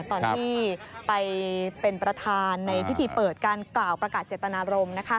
ตอนที่ไปเป็นประธานในพิธีเปิดการกล่าวประกาศเจตนารมณ์